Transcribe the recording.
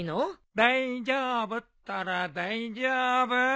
大丈夫ったら大丈夫。